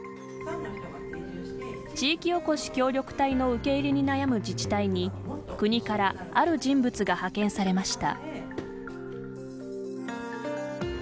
地域おこし協力隊の受け入れに悩む自治体に国からある人物が派遣されました。